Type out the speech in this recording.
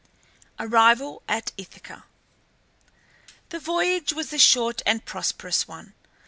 ARRIVAL AT ITHACA. The voyage was a short and prosperous one.